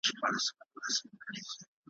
پرښاخونو به مو پېغلي ټالېدلای ,